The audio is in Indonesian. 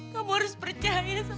kamu harus percaya sama mama